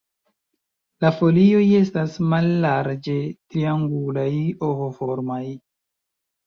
La folioj estas mallarĝe triangulaj- ovoformaj.